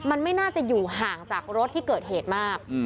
มันไม่น่าจะอยู่ห่างจากรถที่เกิดเหตุมาก